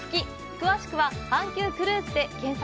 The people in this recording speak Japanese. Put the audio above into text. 詳しくは「阪急クルーズ」で検索。